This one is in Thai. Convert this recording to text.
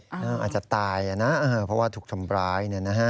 น้องอาจจะตายนะเพราะว่าถูกทำร้ายเนี่ยนะฮะ